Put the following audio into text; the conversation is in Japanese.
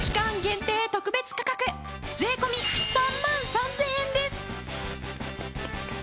限定特別価格税込３万３０００円です！